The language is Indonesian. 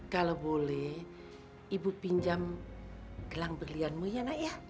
kalau boleh ibu pinjam gelang berlianmu ya nak ya